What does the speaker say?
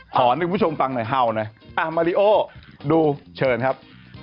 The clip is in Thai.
ขอให้ผู้ชมฟังหน่อยเฮ่าเนี่ยมาริโอดูเชิญครับ